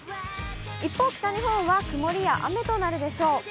一方、北日本は曇りや雨となるでしょう。